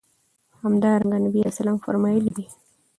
همدرانګه نبي عليه السلام فرمايلي دي